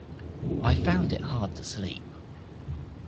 I found it hard to sleep.